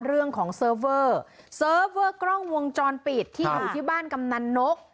เรื่องของเซิร์ฟเวอร์เซิร์ฟเวอร์กล้องวงจรปิดที่อยู่ที่บ้านกำนันนก